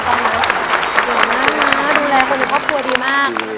เก่งมากดูแลคนของครอบครัวดีมาก